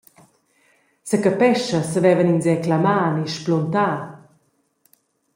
Secapescha savevan ins era clamar ni spluntar.